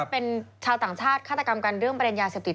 เป็นชาวต่างชาติฆาตกรรมกันเรื่องประเด็นยาเสพติด